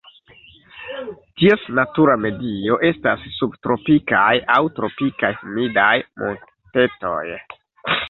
Ties natura medio estas subtropikaj aŭ tropikaj humidaj montetoj.